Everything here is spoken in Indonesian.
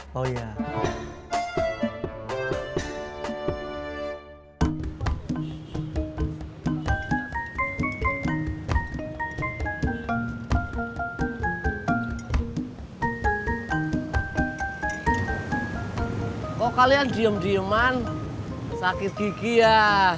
kok kalian diem dieman sakit gigi ya